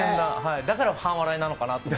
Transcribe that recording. だから半笑いなのかなと。